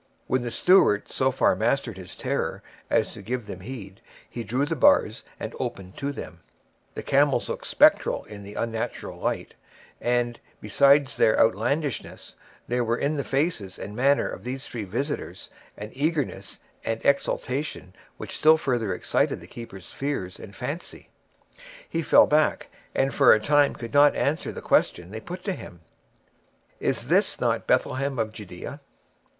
When the steward so far mastered his terror as to give them heed, he drew the bars and opened to them. The camels looked spectral in the unnatural light, and, besides their outlandishness, there were in the faces and manner of the three visitors an eagerness and exaltation which still further excited the keeper's fears and fancy; he fell back, and for a time could not answer the question they put to him. "Is not this Bethlehem of Judea?"